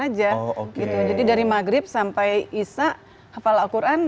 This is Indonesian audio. aja gitu jadi dari maghrib sampai isa hafal alquran